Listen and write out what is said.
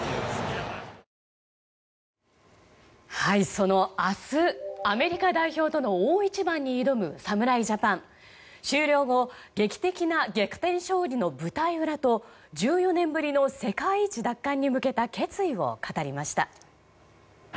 その明日アメリカ代表との大一番に挑む侍ジャパン終了後、劇逆転勝利の舞台裏と１４年ぶりの世界一奪還に向けた決意を語りました。